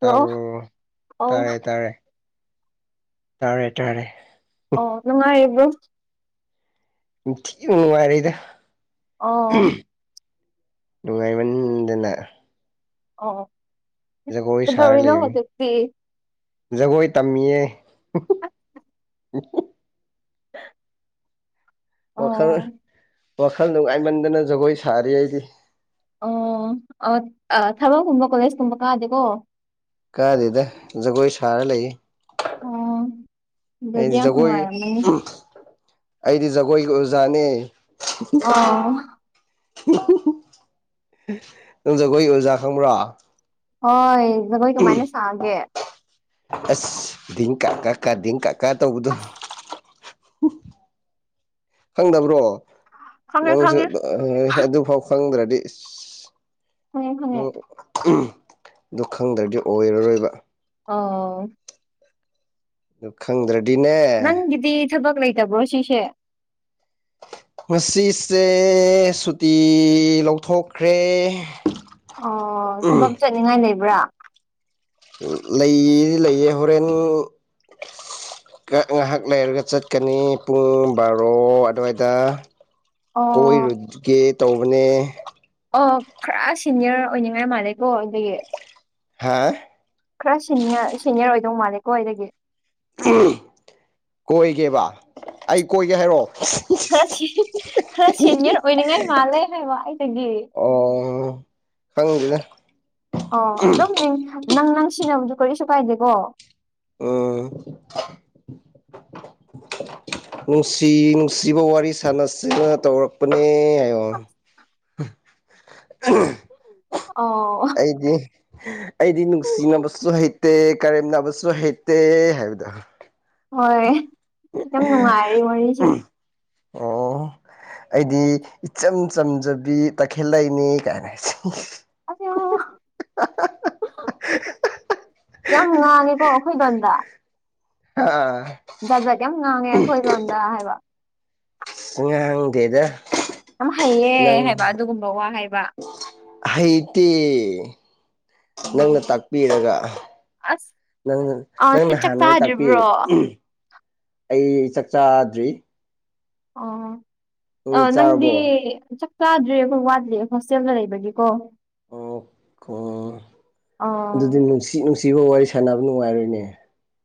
Hello ꯇꯥꯕꯔꯣ ꯑꯧ ꯇꯥꯔꯦ ꯇꯥꯔꯦ ꯇꯥꯔꯦ ꯇꯥꯔꯦ ꯑꯣ ꯅꯨꯡꯉꯥꯏꯔꯤꯕ꯭ꯔꯣ ꯄꯧꯛꯊꯤꯅꯥ ꯅꯨꯡꯉꯥꯏꯔꯤꯗ ꯑꯣ ꯅꯨꯡꯉꯥꯏꯃꯟꯒꯤꯗꯅ ꯑꯣ ꯖꯒꯣꯏ ꯁꯥꯔ ꯀꯩꯗꯧꯔꯤꯅꯣ ꯂꯩꯕꯅꯤ ꯍꯧꯖꯤꯛꯇꯗꯤ ꯖꯒꯣꯏ ꯇꯝꯃꯤꯌꯦ ꯍꯝꯍꯝ ꯋꯥꯈꯜ ꯑꯣ ꯋꯥꯈꯜ ꯅꯨꯡꯉꯥꯏꯃꯟꯗꯅ ꯖꯒꯣꯏ ꯁꯥꯔꯤ ꯑꯩꯗꯤ ꯑꯣ ꯑ ꯊꯕꯛꯀꯨꯝꯕ ꯀꯣꯂꯦꯖꯀꯨꯝꯕ ꯀꯥꯗꯦꯀꯣ? ꯀꯥꯗꯦꯗ ꯖꯒꯣꯏ ꯁꯥꯔ ꯂꯩꯌꯦ ꯑꯣ ꯑꯗꯨꯗꯤ ꯑꯩꯗꯤ ꯌꯥꯝ ꯖꯒꯣꯏꯒꯤ ꯅꯨꯡꯉꯥꯏꯔꯝꯃꯅꯤ ꯑꯩꯗꯤ ꯖꯒꯣꯏꯒꯤ ꯑꯣꯖꯥꯅꯦ ꯑꯣ ꯍꯨꯝꯍꯨꯝ ꯖꯒꯣꯏꯒꯤ ꯑꯣꯖꯥ ꯈꯪꯕ꯭ꯔꯣ ꯍꯣꯏ ꯖꯒꯣꯏ ꯀꯃꯥꯏꯅꯥ ꯁꯥꯒꯦ ꯑꯁ [unintelligible] ꯈꯪꯗꯕ꯭ꯔꯣ ꯈꯪꯉꯦ ꯅꯪꯁꯨ ꯈꯪꯉꯦ ꯑ ꯍꯣꯏ ꯑꯗꯨꯐꯥꯎ ꯈꯪꯗ꯭ꯔꯗꯤ ꯏꯁ ꯈꯪꯉꯦ ꯈꯪꯉꯦ ꯎꯝ ꯑꯗꯨ ꯈꯪꯗ꯭ꯔꯗꯤ ꯑꯣꯏꯔꯔꯣꯏꯕ ꯑꫭ ꯗꯨ ꯈꯪꯗ꯭ꯔꯗꯤꯅꯦ꯫ ꯅꯪꯒꯤꯗꯤ ꯊꯕꯛ ꯂꯩꯇꯕ꯭ꯔꯣ ꯉꯁꯤꯁꯦ ꯉꯁꯤꯁꯦ ꯁꯨꯇꯤ ꯂꯧꯊꯣꯛꯈ꯭ꯔꯦ ꯑꯩꯅꯥ꯫ ꯑꯣ ꯊꯕꯛ ꯆꯠꯅꯤꯡꯉꯥꯏ ꯂꯩꯕ꯭ꯔꯥ ꯂꯩꯗꯤ ꯂꯩꯌꯦ ꯍꯣꯔꯦꯟ ꯀ ꯉꯥꯏꯍꯥꯛ ꯂꯩꯔꯒ ꯆꯠꯀꯅꯤ ꯄꯨꯡ ꯕꯥꯔꯣ ꯑꯗꯨꯋꯥꯏꯗ ꯑꯣ ꯀꯣꯏꯔꯨꯒꯦ ꯇꯧꯕꯅꯦ꯫ ꯑꯣꯑ ꯈꯔ ꯁꯤꯅꯤꯌꯔ ꯑꯣꯏꯅꯤꯡꯉꯥꯏ ꯃꯥꯜꯂꯦꯀꯣ ꯑꯩꯗꯒꯤ ꯍꯥꯥꯏ ꯈꯔ ꯁꯤꯅꯤꯔ ꯁꯤꯅꯤꯌꯔ ꯑꯣꯏꯗꯧ ꯃꯥꯜꯂꯦꯀꯣ ꯑꯩꯗꯒꯤ [unintelligible] ꯀꯣꯏꯒꯦꯕ ꯑꯩ ꯀꯣꯏꯒꯦ ꯍꯥꯏꯔꫭ ꯈꯔ ꯁꯤ ꯈꯔ ꯁꯦꯅꯤꯌꯔ ꯑꯣꯏꯅꯤꯡꯉꯥꯏ ꯃꯥꯜꯂꯦ ꯍꯥꯏꯕ ꯑꯩꯗꯒꯤ ꯑꯣ ꯈꯪꯗꯦꯗ ꯑꯣ ꯑꯗꯨꯝ ꯃꯤꯡ ꯅꯪ ꯅꯪ ꯁꯤꯅꯕꯁꯨ ꯀꯔꯤꯁꯨ ꯀꯥꯏꯗꯦꯀꯣ ꯎꯝ [unintelligible] ꯅꯨꯡꯁꯤ ꯅꯨꯡꯁꯤꯕ ꯋꯥꯔꯤ ꯁꯥꯟꯅꯁꯤꯅ ꯇꯧꯔꯛꯄꯅꯦ ꯍꯥꯏꯌꫭ [unintelligible] ꯑꯣ ꯑꯩꯗꯤ ꯑꯩꯗꯤ ꯅꯨꯡꯁꯤꯅꯕꯁꯨ ꯍꯩꯠ ꯇꯦ ꯀꯔꯦꯝ ꯅꯕꯁꯨ ꯍꯩꯇꯦ ꯍꯥꯏꯕꯗꯨ ꯍꯣꯏ ꯌꯥꯝ ꯅꯨꯡꯉꯥꯏꯔꯦ ꯋꯥꯔꯤꯁꯦ ꯑꯣ ꯑꯩꯗꯤ ꯏꯆꯝ ꯆꯝꯖꯕꯤ ꯇꯈꯦꯜꯂꯩꯅꯤ ꯀꯥꯏꯅ [unintelligible] [unintelligible] ꯌꯥꯝ ꯉꯥꯡꯉꯦꯀꯣ ꯑꯩꯈꯣꯏ ꯂꯣꯟꯗ ꯍꯥ ꯖꯥꯠꯖꯥꯠ ꯌꯥꯝ ꯉꯥꯡꯉꯦ ꯑꯩꯈꯣꯏ ꯂꫭꯟꯗ ꯍꯥꯏꯕ [unintelligible] ꯉꯥꯡꯗꯦꯗ ꯌꯥꯝ ꯍꯩꯌꯦ ꯅꯪ ꯍꯥꯏꯕ ꯑꯗꯨꯒꯨꯝꯕ ꯋꯥ ꯍꯥꯏꯕ ꯍꯩꯇꯦ ꯅꯪꯅ ꯎꯝ ꯇꯥꯛꯄꯤꯔꯒꯥ ꯑꯁ ꯅꯪꯅ ꯑ ꯅꯪ ꯆꯥꯛ ꯅꯍꯥꯟꯋꯥꯏ ꯇꯥꯛꯄꯤ ꯆꯥꯗ꯭ꯔꯤꯕ꯭ꯔꯣ ꯑꯩ ꯆꯥꯛ ꯆꯥꯗ꯭ꯔꯤ ꯑꯣ ꯑ ꯅꯪꯗꯤ ꯆꯥꯡ ꯆꯥꯗ꯭ꯔꯤ ꯑꯈꫭꯏ ꯋꯥꯠꯂꯤ ꯍꯣꯁꯇꯦꯜꯗ ꯂꯩꯕꯒꯤꯀꯣ ꯑꯣꯀꯣ ꯑꯥ ꯑꯗꯨꯗꯤ ꯅꯨꯡꯁꯤ ꯅꯨꯡꯁꯤꯕ ꯋꯥꯔꯤ ꯁꯥꯟꯅꯕ ꯅꯨꯡꯉꯥꯏꯔꯣꯏꯅꯦ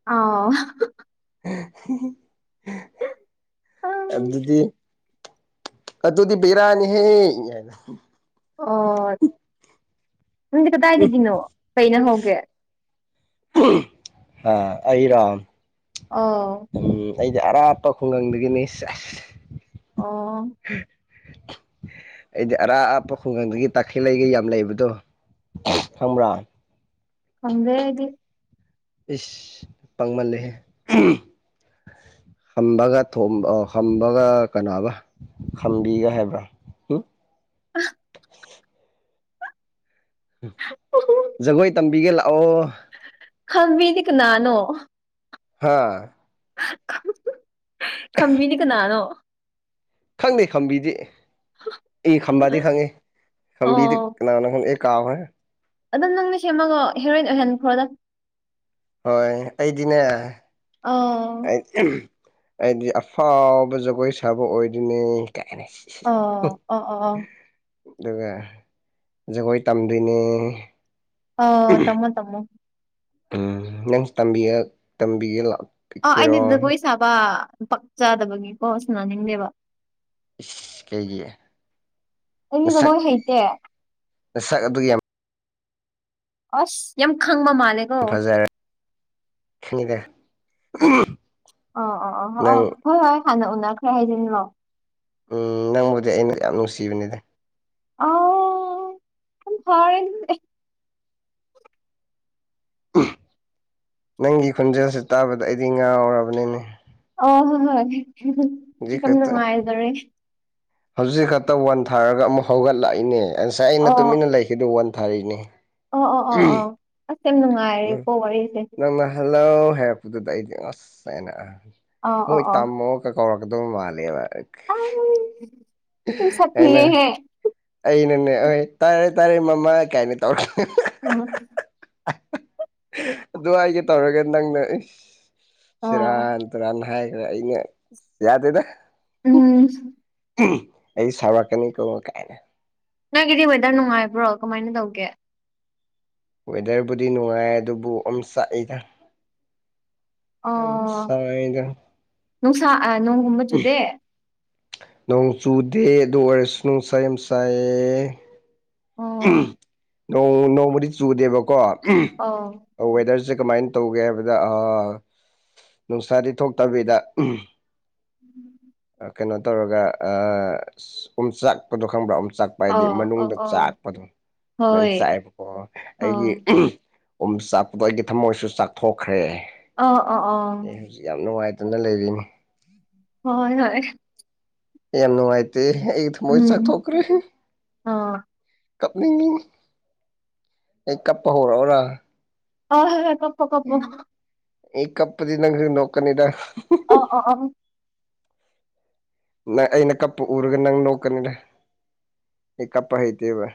ꯑꯥꯎ [unintelligible] ꯑꯗꯨꯗꯤ ꯑꯗꯨꯗꯤ ꯕꯤꯔꯅꯤ ꯍꯦ [unintelligible] ꯑꯣ ꯅꯪꯗꯤ ꯀꯗꯥꯏꯗꯒꯤꯅꯣ ꯀꯩꯅ ꯍꯧꯒꯦ ꯑꯥ ꯑꯩꯔꫭ ꯑꯣ ꯎꯝ ꯑꯩꯗꯤ ꯑꯔꯥꯞꯄ ꯈꯨꯡꯒꯪꯗꯒꯤꯅꯦ ꯑꯣ [unintelligible] [unintelligible] ꯑꯩꯗꯤ ꯑꯔꯥꯞꯄ ꯈꯨꯡꯒꯪꯗꯒꯤ ꯇꯥꯈꯠꯂꯩꯒ ꯌꯥꯝ ꯂꯩꯕꯗꯣ ꯈꯪꯕ꯭ꯔꫭ ꯈꯪꯗꯦ ꯑꯩꯗꯤ ꯏꯁ ꯄꯪꯃꯟꯂꯦ ꯍꯦ ꯈꯝꯕꯒ ꯊꫭꯝ ꯈꯝꯕꯒ ꯀꯅꯥꯕ ꯈꯝꯕꯤꯒ ꯍꯥꯏꯕ꯭ꯔ ꯖꯒꯣꯏ ꯇꯝꯕꯤꯒꯦ ꯂꯥꯛꯑꯣ ꯍꯪꯕꯤꯗꯤ ꯀꯅꯥꯅꯣ ꯍꯥꯥ ꯍ ꯍꯥ ꯈꯝꯕꯤꯗꯤ ꯀꯅꯥꯅꯣ꯫ ꯈꯪꯗꯦ ꯈꯝꯕꯤꯗꯤ ꯑꯩ ꯈꯝꯕꯗꯤ ꯈꯪꯉꯤ ꯈꯝꯕꯤꯗꯤ ꯑꯣ ꯀꯅꯥꯅꯪ ꯈꯪ ꯗꯦ ꯀꯥꯎꯔꯦ ꯑꯗꯨꯝ ꯅꯪꯅ ꯁꯦꯝꯃꯒꯣ ꯍꯦꯔꯣꯏꯟ ꯑꯣꯏꯍꯟꯈ꯭ꯔꯣꯗ ꯍꯣꯏ ꯑꯩꯗꯤꯅꯦ ꯑꫭ ꯍꯥꯏꯗꯤ ꯑꯐꯥꯎꯕ ꯖꯒꯣꯏ ꯁꯥꯕ ꯑꯣꯏꯗꯣꯏꯅꯦ ꯀꯥꯏꯅ ꯑꯣ ꯑꯣ ꯑꯣ ꯑꯣ ꯑꯗꯨꯒ ꯖꯒꯣꯏ ꯇꯝꯗꯣꯏꯅꯦ ꯑꯣ ꯇꯝꯃꯣ ꯇꯝꯃꫭ ꯎꯝ ꯅꯪꯁꯨꯇꯝꯕꯤꯌ ꯇꯝꯕꯤꯒꯦ ꯂꯥꯛꯑꫭ ꯑ ꯑꯩꯅꯗꯤ ꯖꯒꯣꯏ ꯁꯥꯕ ꯄꯛꯆꯥꯗꯕꯒꯤꯀꯣ ꯁꯅꯅꯤꯡꯗꯦꯕ ꯏꯁ ꯀꯩꯒꯤ ꯑꯩꯗꯤ ꯅꯁꯛ ꯖꯒꯣꯏ ꯍꯩꯇꯦ ꯅꯁꯛ ꯑꯗꯨꯛ ꯌꯥꯝ꯫ ꯑꯁ ꯌꯥꯝ ꯈꯪꯕ ꯃꯥꯜꯂꯦ ꯐꯖꯔ ꯈꯪꯉꯅꯤꯗ [unintelligible] ꯑꯣ ꯑꯣ ꯑꯣ ꯑꯣ ꯍꯣꯏ ꯍꯣꯏ ꯍꯥꯟꯅ ꯎꯟꯅꯈ꯭ꯔꯦ ꯍꯥꯏꯖꯤꯟꯂꯣ꯫ ꯎꯝ ꯅꯪꯕꯨꯗꯤ ꯑꯩꯅ ꯌꯥꯝ ꯅꯨꯡꯁꯤꯕꯅꯤꯗ꯫ ꯑꯣ [unintelligible] ꯅꯪꯒꯤ ꯈꯣꯟꯖꯦꯜꯁꯦ ꯇꯥꯕꯗ ꯑꯩꯗꯤ ꯉꯥꯥꯎꯔꯕꯅꯤꯅꯦ꯫ ꯑ ꯍꯣꯏ ꯍꯣꯏ ꯍꯧꯖꯤꯛ ꯈꯤꯇꯪ ꯈꯛꯇ ꯅꯨꯡꯉꯥꯏꯖꯔꯦ ꯍꯧꯖꯤꯛ ꯈꯛꯇꯪ ꯋꯥꯟꯊꯥꯔꯒ ꯑꯃꯨꯛ ꯍꯧꯒꯠꯂꯥꯛꯏꯅꯦ ꯉꯁꯥꯏ ꯑꯩꯅ ꯑꯣ ꯇꯨꯃꯤꯟꯅ ꯂꯩꯈꯤꯗꯨ ꯋꯥꯟꯊꯥꯔꯤꯅꯦ꯫ ꯑꯣ ꯑꯣ ꯑꯣ ꯑꯣ ꯑꯁ ꯌꯥꯝ ꯎꯝ ꯅꯨꯡꯉꯥꯏꯔꯦꯀꯣ ꯋꯥꯔꯤꯁꯦ꯫ ꯅꯪꯅ ꯍꯜꯂꯣ ꯍꯥꯏꯕꯗꯨꯗ ꯑꯩꯗꯤ ꯉꯁꯥꯏꯅ ꯑꯣ ꯃꯣꯏ ꯑꯣ ꯑꯣ ꯇꯝꯃꯣ ꯀ ꯀꯧꯔꯛ ꯀ ꯗꯣꯕ ꯃꯥꯂꯦꯕ [unintelligible] ꯌꯥꯝ ꯑꯩꯅ ꯁꯥꯊꯤꯌꯦꯍꯦ ꯑꯩꯅꯅꯦ ꯍꯣꯏ ꯇꯥꯔꯦ ꯇꯥꯔꯦ ꯃꯃꯥ ꯀꯥꯏꯅꯤ ꯇꯧꯔ [unintelligible] [unintelligible] ꯑꯗꯨ ꯍꯥꯏꯒꯦ ꯇꯧꯔꯒ ꯅꯪꯅ ꯑꯣ ꯁꯦꯔꯥꯟ ꯇꯨꯔꯥꯟ ꯍꯥꯏꯈ꯭ꯔꯦ ꯑꯩꯅ ꯌꯥꯗꯦꯗ ꯎꯝ ꯑꯩ ꯁꯥꯎꯔꯛꯀꯅꯤ ꯀꯣ ꯀꯥꯏꯅ꯫ ꯅꯪꯒꯤꯗꯤ ꯋꯦꯗꯔ ꯅꯨꯡꯉꯥꯏꯕ꯭ꯔꯣ ꯀꯃꯥꯏꯅ ꯇꯧꯒꯦ꯫ ꯋꯦꯗꯔꯕꯨꯗꯤ ꯅꯨꯡꯉꯥꯏ ꯑꯗꯨꯕꯨ ꯑꯣꯝꯆꯥꯛꯏꯗ꯫ ꯌꯥꯝ ꯑꯣ ꯁꯥꯏꯌꯦꯗ꯫ ꯅꯨꯡꯁꯥ ꯑ ꯅꯣꯡꯒꯨꯝꯕ ꯆꯨꯗꯦ꯫ ꯅꯣꯡ ꯆꯨꯗꯦ ꯑꯗꯨ ꯑꯣꯏꯔꯁꯨ ꯅꯨꯡꯁꯥ ꯌꯥꯝ ꯁꯥꯏꯌꯦ꯫ ꯎꯝ ꯑꯣ ꯅꯣꯡ ꯅꯣꯡꯕꯨꯗꯤ ꯆꯨꯗꯦꯕꯀꯣ ꯑꯣ ꯎꯝ ꯋꯦꯗꯔꯁꯦ ꯀꯃꯥꯏꯅ ꯇꯧꯒꯦ ꯍꯥꯏꯕꯗ ꯅꯨꯡꯁꯥꯗꯤ ꯊꯣꯛꯇꯕꯤꯗ ꯎꯝ [unintelligible] ꯀꯩꯅꯣ ꯇꯧꯔꯒ ꯑ ꯑꯁ ꯎꯝꯆꯥꯛꯄꯗꯨ ꯈꯪꯕ꯭ꯔꯥ ꯎꯝꯆꯥꯛ ꯍꯥꯏꯗꯤ ꯑꯣ ꯑꯣ ꯃꯅꯨꯡꯗ ꯑꯣ ꯆꯥꯛꯄꯗꯣ ꯑꯗꯨꯃꯥꯏꯅ ꯍꯣꯏ ꯆꯥꯛꯑꯦꯕꯀꯣ ꯑꯩꯒꯤ ꯑꯣ ꯎꯝ ꯆꯥꯛꯄꯗꯣ ꯑꯩꯒꯤ ꯊꯃꯣꯏꯁꯨ ꯆꯥꯛꯊꯣꯛꯈ꯭ꯔꯦ꯫ ꯑ ꯑ ꯑꯦ ꯑꯣ ꯍꯧꯖꯤꯛ ꯌꯥꯝ ꯅꯨꯡꯉꯥꯏꯇꯅ ꯂꯩꯔꯤꯅꯤ꯫ ꯍꯣꯏ ꯍꯣꯏ ꯌꯥꯝ ꯅꯨꯡꯉꯥꯏꯇꯦ ꯑꯩ ꯊꯃꯣꯏ ꯎꯝ ꯆꯥꯛꯊꯣꯛꯈ꯭ꯔꯦ꯫ [unintelligible] ꯀꯞꯅꯤꯡꯉꯤ ꯑꯩ ꯀꯞꯄ ꯍꯧꯔꯛꯑꯣꯔꯥ꯫ ꯑꯣ ꯍꯣꯏ [unintelligible] ꯎꯝ ꯑꯩ ꯀꯞꯄꯗꯤ ꯅꯪꯁꯨ ꯅꯣꯛꯀꯅꯤꯗ꯫ ꯑꯣ ꯑꯣ ꯑ ꯅꯪ ꯑꯩꯅ ꯀꯞꯄ ꯎꯔꯒ ꯅꯪ ꯅꯣꯛꯀꯅꯤꯗ꯫ ꯑꯩ ꯀꯞꯄ ꯍꯩꯇꯦꯕ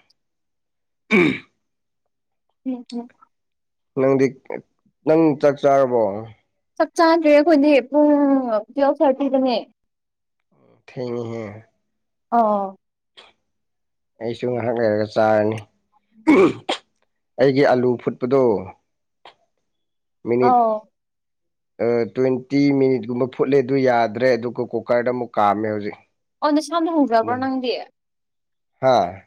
ꯎꯝ ꯎꯝ ꯅꯪꯗꯤ ꯅꯪ ꯆꯥꯛ ꯆꯥꯔꯕꯣ꯫ ꯆꯞ ꯆꯥꯗ꯭ꯔꯦ ꯑꯈꯣꯏꯗꯤ ꯄꯨꯡ ꯇꯨꯌꯦꯞ ꯊ꯭ꯔ`ꯇꯤꯗꯅꯦ꯫ ꯊꯦꯡꯅꯤꯍꯦ ꯑꯣ ꯑꯩꯁꯨ ꯉꯥꯏꯍꯥꯛ ꯂꯩꯔꯒ ꯆꯥꯔꯅꯤ ꯑꯩꯒꯤ ꯑꯥꯂꯨ ꯐꯨꯠꯄꯗꯣ ꯃꯤꯅꯤꯠ [unintelligible] ꯇ꯭ꯋꯦꯟꯇꯤ ꯃꯤꯅꯤꯠꯀꯨꯝꯕ ꯐꯨꯠꯂꯦ ꯑꯗꯨ ꯌꯥꯗ꯭ꯔꯦ ꯑꯗꯨꯒ ꯀꯨꯀꯔꯗ ꯑꯃꯨꯛ ꯀꯥꯝꯃꯦ ꯍꯧꯖꯤꯛ ꯑꯣ ꯅ ꯁꯝꯅ ꯍꯨꯗ꯭ꯔꯕ꯭ꯔꯣ ꯅꯪꯗꯤ ꯍꯥꯥ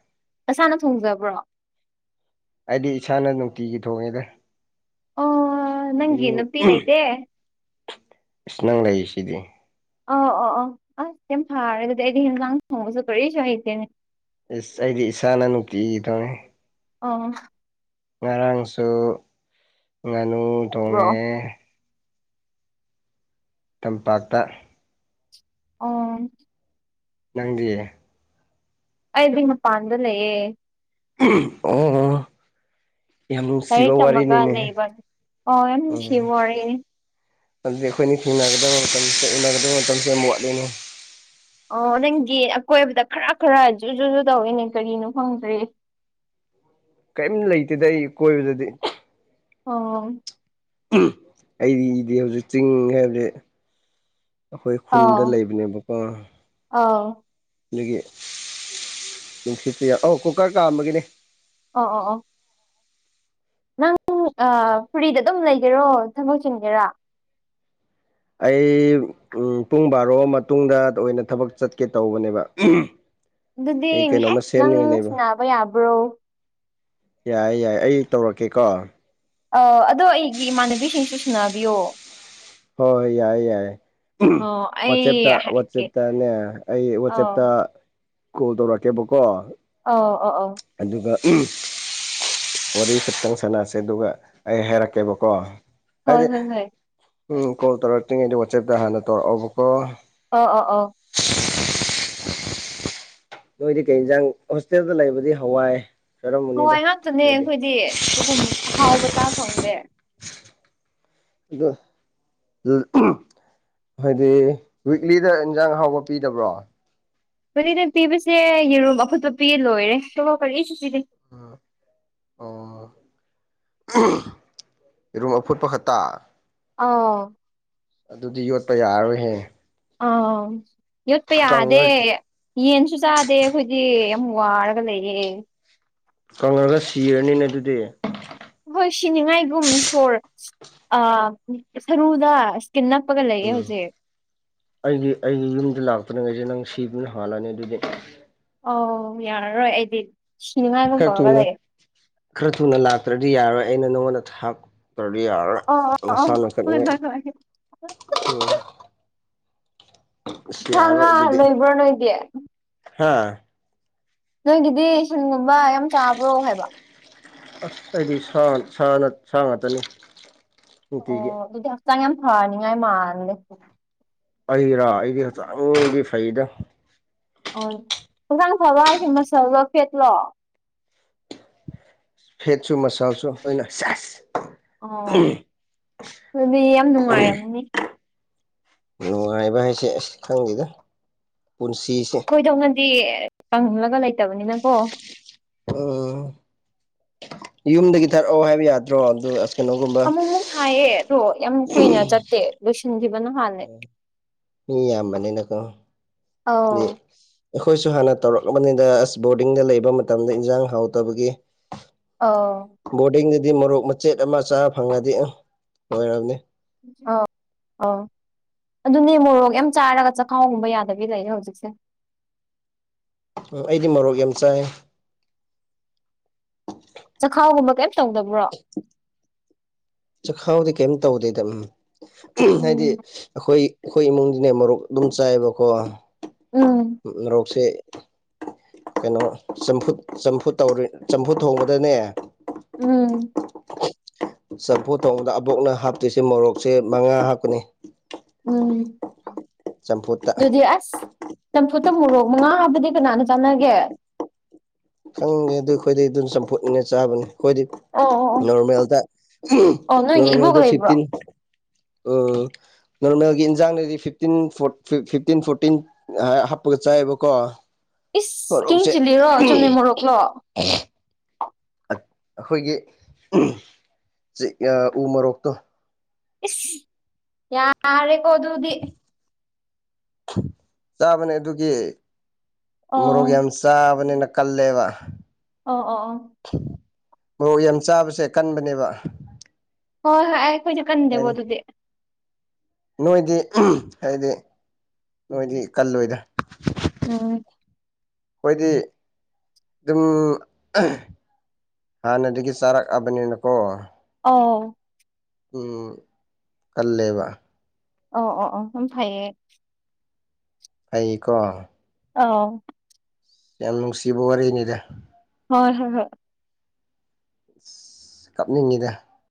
ꯅꯁꯥꯅ ꯊꯣꯡꯖꯕ꯭ꯔꯣ ꯑꯩꯗꯤ ꯏꯁꯥꯅ ꯅꯨꯡꯇꯤꯒꯤ ꯊꯣꯡꯉꯦꯗ ꯑꯣ ꯑꯩꯗꯤ ꯅꯪꯒꯤ ꯃꯤ ꯅꯨꯄꯤ ꯂꯩꯇꯦ ꯏꯁ ꯅꯪ ꯂꯩꯔꯤꯁꯤꯗꯤ ꯑꯧ ꯑꯣ ꯑꯣ ꯑꯁ ꯌꯥꯝ ꯐꯔꯦ ꯑꯗꯨꯗꯤ ꯑꯩꯗꯤ ꯍꯦꯟꯖꯥꯡ ꯊꯣꯡꯕꯁꯨ ꯀꯔꯤꯁꯨ ꯍꯩꯇꯦꯅꯦ ꯏꯁ ꯑꯩꯗꯤ ꯏꯁꯥꯅ ꯅꯨꯡꯇꯤꯒꯤ ꯊꯣꯡꯉꯦ ꯑꯣ ꯉꯔꯥꯡꯁꯨ ꯉꯥꯅꯨ ꯕ꯭ꯔꯣ ꯊꯣꯡꯉꯦ ꯇꯝꯄꯥꯛꯇ ꯑꯣ ꯅꯪꯗꯤꯌꯦ ꯑꯩꯗꯤ ꯃꯄꯥꯟꯗ ꯂꯩꯌꯦ ꯑꯣ ꯌꯥꯝ ꯅꯨꯡꯁꯤꯕ ꯂꯥꯏꯔꯤꯛ ꯇꯝꯃꯒ ꯋꯥꯔꯤꯅꯤꯅꯦ ꯂꯩꯕ ꯑꯣ ꯌꯥꯝ ꯎꯝ ꯅꯨꯡꯁꯤꯕ ꯋꯥꯔꯤꯅꯤ ꯑꯗꯨꯗꯤ ꯑꯩꯈꯣꯏꯅ ꯊꯦꯡꯅꯒꯗꯕ ꯃꯇꯝ ꯎꯅꯒꯗꯕ ꯃꯇꯝꯁꯦ ꯌꯥꯝ ꯋꯥꯠꯂꯤꯅꯤ ꯑꯣ ꯅꯪꯒꯤ ꯑꯀꯣꯏꯕꯗ ꯈꯔꯥ ꯈꯔ ꯖꯨ ꯖꯨ ꯖꯨ ꯇꯧꯋꯤꯅꯦ ꯀꯔꯤꯅꯣ ꯈꯪꯗ꯭ꯔꯤ ꯀꯔꯤꯝ ꯂꯩꯇꯦꯗ ꯑꯩ ꯀꯣꯏꯕꯗꯗꯤ ꯑꯣ ꯑꯩꯗꯤ ꯏꯗꯤ ꯍꯧꯖꯤꯛ ꯆꯤꯡ ꯍꯥꯏꯕꯗꯤ ꯑꯩꯈꯣꯏ ꯈꯨꯟꯗ ꯂꯩꯕꯅꯦꯕꯀꯣ ꯑꯥꯎ ꯑꯒꯤ ꯅꯨꯡꯁꯤꯠꯠꯇ ꯑ ꯀꯨꯀꯔ ꯀꯥꯝꯕꯒꯤꯅꯦ ꯑꯣ ꯑꯣ ꯑꯣ ꯅꯪ ꯐꯨꯔꯤꯗ ꯑꯗꯨꯝ ꯂꯩꯒꯦꯔꯣ ꯊꯕꯛ ꯆꯤꯟꯒꯦꯔꯥ ꯑꯩ ꯄꯨꯡ ꯕꯥꯔꯣ ꯃꯇꯨꯡꯗ ꯑꯣꯏꯅ ꯊꯕꯛ ꯆꯠꯀꯦ ꯇꯧꯕꯅꯦꯕ ꯑꯗꯨꯗꯤ ꯑꯩ ꯀꯩꯅꯣꯝꯃ ꯉꯥꯏꯍꯥꯛ ꯅꯪ ꯁꯦꯝꯅꯤꯡꯉꯥꯏ ꯂꯩꯕ ꯁꯥꯟꯅꯕ ꯌꯥꯕ꯭ꯔꯣ ꯌꯥꯏ ꯌꯥꯏ ꯑꯩ ꯇꯧꯔꯛꯀꯦꯀꯣ ꯑ ꯑꯗꯣ ꯑꯩꯒꯤ ꯏꯃꯥꯟꯅꯕꯤꯁꯤꯡꯁꯨ ꯁꯨꯅꯕꯤꯌꯣ ꯍꯣꯏ ꯍꯣꯏ ꯌꯥꯏ ꯌꯥꯏ ꯑꯣ ꯑꯩ ꯋꯥꯆꯦꯞꯇ ꯍꯥꯏꯒꯦ ꯋꯥꯆꯦꯞꯇꯅꯦ ꯑꯩ ꯑꯧ ꯋꯥꯆꯦꯞꯇ ꯀꯣꯜ ꯇꯧꯔꯛꯀꯦꯕꯀꯣ ꯑꯣ ꯑꯣ ꯑꯣ ꯑꯗꯨꯒ ꯎꯝ ꯋꯥꯔꯤ ꯈꯛꯇꯪ ꯁꯥꯟꯅꯁꯦ ꯑꯗꯨꯒ ꯑꯩ ꯍꯥꯏꯔꯛꯀꯦꯕꯀꯣ ꯍꯣꯏ ꯍꯥꯏꯗꯤ ꯍꯣꯏ ꯍꯣꯏ ꯎꯝ ꯀꯣꯜ ꯇꯧꯔꯛꯇ꯭ꯔꯤꯉꯩꯗ ꯋꯥꯆꯦꯞꯇ ꯍꯥꯟꯅ ꯇꯧꯔꯛꯑꯣꯕꯀꯣ ꯑꯣ ꯑꯣ ꯑꯣ ꯅꯣꯏꯗꯤ ꯀꯩ ꯍꯦꯟꯖꯥꯡ ꯍꯣꯁꯇꯦꯜꯗ ꯂꯩꯕꯗꯤ ꯍꯋꯥꯏ ꯆꯥꯔꯝꯃꯅꯤꯗ ꯍꯋꯥꯏ ꯉꯥꯛꯇꯅꯦ ꯅꯣꯏꯗꯤ ꯑꯩꯈꯣꯏꯗꯤ ꯑꯗꯨꯒꯨꯝ ꯑꯍꯥꯎꯕ ꯆꯥꯛ ꯈꯪꯗꯦ ꯑꯗꯣ ꯍꯥꯏꯗꯤ ꯋꯤꯛꯂꯤꯗ ꯏꯟꯖꯥꯡ ꯑꯍꯥꯎꯕ ꯄꯤꯗꯕ꯭ꯔꯣ ꯀꯂꯤꯅ ꯄꯤꯕꯁꯦ ꯌꯦꯔꯨꯝꯝ ꯑꯐꯨꯠꯄ ꯄꯤ ꯂꯣꯏꯔꯦ ꯇꯣ ꯀꯔꯤꯁꯨ ꯄꯤꯔꯤꯦ ꯏꯔꯨꯝ ꯑꯐꯨꯠꯄ ꯈꯛꯇ ꯑ ꯑꯗꯨꯗꯤ ꯌꯣꯠꯄ ꯌꯥꯔꯔꯣꯏꯍꯦ ꯑ ꯀꯪꯉ ꯌꯠꯄꯌꯥꯗꯦ ꯌꯦꯟꯁꯨ ꯆꯥꯗꯦ ꯑꯩꯈꯣꯏꯗꯤ ꯌꯥꯝ ꯋꯥꯔꯒ ꯂꯩꯌꯦ ꯀꯪꯉꯒ ꯁꯤꯔꯅꯤꯅꯦ ꯑꯗꯨꯗꯤ ꯍꯣꯏ ꯁꯤꯅꯤꯉꯥꯏꯒꯨꯝ ꯁꯣꯔ ꯑ ꯁꯔꯨꯗ ꯀꯅꯥ ꯄꯒ ꯂꯩꯌꯦ ꯎꯝ ꯍꯧꯖꯤꯦ ꯑꯩꯒꯤ ꯑꯩꯒꯤ ꯌꯨꯝꯗ ꯂꯥꯛꯇ꯭ꯔꯤꯉꯩꯁꯦ ꯅꯪ ꯁꯤꯕꯅ ꯍꯥꯜꯂꯅꯤ ꯑꯗꯨꯗꯤ ꯑꯣ ꯌꯥꯔꯔꯣꯏ ꯑꯩꯗꯤ ꯁꯤꯅꯤꯉꯥꯏꯒꯨꯝ ꯈꯔ ꯇꯧꯔꯒ ꯊꯨꯅ ꯂꯩꯌꯦ ꯈꯔ ꯊꯨꯅ ꯂꯥꯛꯇ꯭ꯔꯗꯤ ꯌꯥꯔꯣꯏ ꯑꯩꯅ ꯅꯪꯉꯣꯟꯗ ꯇ꯭ꯔꯗꯤ ꯌꯥꯔꯦ ꯑꯣ ꯑꯣ ꯑꯣ ꯅꯁꯥ ꯍꯣꯏ ꯅꯈꯠꯂꯤꯉꯩ ꯍꯣꯏ ꯍꯣꯏ ꯎ ꯊꯪꯉ ꯂꯩꯣꯏꯕ꯭ꯔꯣ ꯅꯣꯏꯗꯤ ꯍꯥꯥ ꯅꯣꯏꯒꯤꯗꯤ ꯁꯤꯟꯒꯨꯝꯕ ꯌꯥꯝ ꯆꯥꯕ꯭ꯔꯣ ꯍꯥꯏꯕ ꯑꯁ ꯑꯩꯗꯤ ꯁꯥ ꯉꯥꯛꯇꯅꯤ ꯑꯣ ꯅꯨꯡꯇꯤꯒꯤ ꯑꯗꯨꯗꯤ ꯍꯛꯆꯥꯡ ꯌꯥꯝ ꯐꯅꯤꯡꯉꯥꯏ ꯃꯥꯜꯗ ꯑꯩꯔꯥ ꯑꯩꯗꯤ ꯍꯛꯆꯥꯡꯒꯤ ꯐꯩꯗ ꯑꯣ ꯍꯛꯖꯥꯡ ꯐꯕ ꯍꯥꯏꯁꯦ ꯃꯁꯜꯂꯣ ꯐꯦꯠꯂꯣ ꯐꯦꯠꯁꯨ ꯃꯁꯥꯥꯎꯁꯨ ꯑꯩꯅꯁ ꯑꯣ ꯑꯗꯨꯗꯤ ꯌꯥꯝ ꯅꯨꯡꯉꯥꯏꯔꯝꯅꯤ ꯅꯨꯡꯉꯥꯏꯕ ꯍꯥꯏꯁꯦ ꯑꯁ ꯈꯪꯗꯦꯗ ꯄꯨꯟꯁꯤꯁꯦ ꯑꯩꯈꯣꯏꯗꯧꯅꯗꯤ ꯀꯪꯂꯪꯒ ꯂꯩꯇꯕꯅꯤꯅꯀꯣ ꯎꯝ ꯌꯨꯝꯗꯒꯤ ꯊꯥꯔꯛꯑꯣ ꯍꯥꯏꯕ ꯌꯥꯗ꯭ꯔꯣ ꯑꯗꯨ ꯀꯩꯅꯣꯒꯨꯝꯕ ꯑꯃꯨꯛ ꯑꯃꯨꯛ ꯊꯥꯏꯌꯦ ꯑꯗꯣ ꯌꯥꯝ ꯀꯨꯏꯅ ꯆꯠꯇꯦ ꯂꯣꯏꯁꯤꯟꯈꯤꯕꯅꯣ ꯍꯥꯟꯅꯦ ꯃꯤ ꯌꯥꯝꯌꯥꯝꯕꯅꯤꯅꯀꯣ ꯑꯧ ꯑꯩꯈꯣꯏꯁꯨ ꯍꯥꯟꯅ ꯇꯧꯔꯛꯂꯕꯅꯤꯅ ꯑꯁ ꯕꯣꯔꯗꯤꯡꯗ ꯂꯩꯕ ꯃꯇꯝꯗ ꯏꯟꯖꯥꯡ ꯍꯥꯎꯇꯕꯒꯤ ꯑ ꯕꯣꯔꯗꯤꯡꯗꯗꯤ ꯃꯣꯔꯣꯛ ꯃꯆꯦꯠ ꯑꯃ ꯆꯥꯕ ꯐꯪꯂꯉꯗꯤ ꯑꯣꯏꯔꯕꯅꯤ ꯑ ꯑ ꯑꯗꯨꯅꯦ ꯃꯣꯔꯣꯛꯒ ꯌꯥꯝ ꯆꯥꯔꯒ ꯆꯈꯥꯎꯒꯨꯝꯕ ꯌꯥꯗꯕꯤ ꯂꯩꯌꯦ ꯍꯧꯖꯤꯛꯁꯦ ꯑꯩꯗꯤ ꯃꯣꯔꯣꯛ ꯌꯥꯝ ꯆꯥꯏ ꯆꯈꯥꯎꯒꯨꯝꯕ ꯀꯩꯝ ꯇꯧꯗꯕ꯭ꯔꯣ [inaudible] ꯆꯈꯥꯎꯗꯤ ꯀꯩꯝ ꯇꯧꯗꯦꯗ ꯍꯥꯏꯗꯤ ꯎꯝ ꯑꯩꯈꯣꯏ ꯑꯩꯈꯣꯏ ꯏꯃꯨꯡꯒꯤꯅꯦ ꯃꯔꯣꯔꯣꯛ ꯑꯗꯨꯝ ꯆꯥꯏꯕꯀꯣ ꯎꯝ ꯃꯔꯣꯔꯣꯛꯁꯦ ꯀꯩꯅꯣ ꯆꯝꯐꯨ ꯆꯝꯐꯨ ꯆꯝꯐꯨ ꯊꯣꯡꯕꯗꯅꯦ ꯎꯝ ꯆꯝꯐꯨ ꯊꯣꯡꯧꯕꯗ ꯑꯕꯣꯛꯅ ꯍꯥꯞꯇꯣꯏꯁꯦ ꯃꯣꯔꯣꯛꯁꯦ ꯃꯉꯥ ꯍꯥꯞꯀꯅꯤ ꯎꯝ ꯆꯝꯐꯨꯠꯇ ꯑꯗꯨꯗꯤ ꯑꯁ ꯆꯝꯐꯨꯠꯇ ꯃꯣꯔꯣꯛ ꯃꯉꯥ ꯍꯥꯏꯕꯗꯤ ꯀꯅꯥꯅ ꯆꯥꯟꯅꯒꯦ ꯈꯪꯉꯦ ꯑꯗꯨ ꯑꯩꯈꯣꯏꯗꯩ ꯑꯗꯨꯝ ꯆꯝꯐꯨꯠꯅꯤꯅ ꯆꯥꯕꯅꯤ ꯑꯩꯈꯣꯏꯗꯤ ꯑꯣ ꯑꯣ ꯑꯣ ꯅꯣꯔꯃꯦꯜꯗ ꯑꯣ ꯅꯣꯏꯒꯤ ꯏꯕꯣꯛ ꯅꯣꯔꯃꯦꯜꯗ ꯂꯩꯕ꯭ꯔꯣ ꯐꯤꯐꯇꯤꯟ ꯑꯣ ꯅꯣꯔꯃꯦꯜꯒꯤ ꯏꯟꯁꯥꯡꯗꯗꯤ ꯐꯤꯞꯇꯤꯟ ꯐꯤꯞꯇꯤꯟ ꯐꯣꯔꯇꯤꯟ ꯍꯥꯞꯄꯒ ꯆꯥꯏꯑꯕꯀꯣ ꯏꯁ ꯀꯦ ꯆꯤꯜꯂꯤꯔꯣ ꯆꯨꯝꯅꯩ ꯃꯣꯔꯣꯛꯂꯣ ꯎ ꯑꯩꯈꯣꯏꯒꯤ ꯎ ꯃꯣꯔꯣꯛꯇꯣ ꯏꯁ ꯌꯥꯔꯦꯀꯣ ꯑꯗꯨꯗꯤ ꯆꯥꯕꯅꯦ ꯑꯗꯨꯒꯤ ꯑꯣ ꯃꯣꯔꯣꯒꯟꯁ ꯆꯥꯕꯅꯤꯅ ꯀꯜꯂꯦꯕ ꯑꯣ ꯑꯣ ꯑꯣ ꯃꯔꯣꯔꯣꯛ ꯌꯥꯝ ꯆꯥꯕꯁꯦ ꯀꯟꯕꯅꯦꯕ ꯍꯣꯏ ꯍꯣꯏ ꯑꯩꯈꯣꯏꯁꯨꯦ ꯀꯟꯗꯦꯕꯣ ꯍꯥꯏꯗꯤ ꯑꯗꯨꯗꯤ ꯅꯣꯏꯗꯤ ꯍꯥꯏꯗꯤ ꯅꯣꯏꯗꯤ ꯀꯜꯂꯣꯏꯗ ꯎꯝ ꯑꯩꯈꯣꯏꯗꯤ ꯑꯗꯨꯝ ꯍꯥꯟꯅꯗꯒꯤ ꯆꯥꯔꯛꯑꯕꯅꯤꯅꯀꯣ ꯑꯣ ꯎ ꯀꯜꯂꯦꯕ ꯑꯣ ꯑꯣ ꯑꯣ ꯍꯐꯌꯦ ꯑꯩꯀꯣ ꯑꯥꯎ ꯌꯥꯝ ꯅꯨꯡꯁꯤꯕ ꯋꯥꯔꯤꯅꯤꯗ ꯍꯣꯏ ꯍꯣꯏ ꯍꯣꯏ ꯑ ꯀꯞꯅꯤꯡꯉꯤꯗ